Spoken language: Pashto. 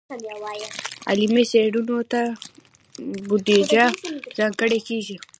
علمي څیړنو ته بودیجه ځانګړې کیږي.